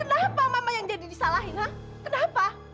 kenapa mama yang jadi disalahin kenapa